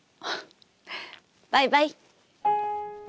バイバイ。